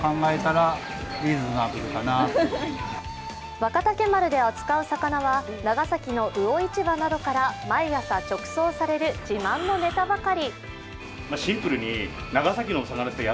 若竹丸で扱う魚は長崎の魚市場などから毎朝直送される自慢のネタばかり。